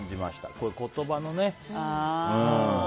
こういう言葉のね。